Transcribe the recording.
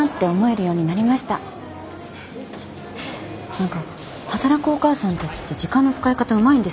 何か働くお母さんたちって時間の使い方うまいんですよ。